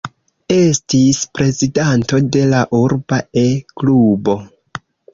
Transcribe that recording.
Estis prezidanto de la urba E-klubo.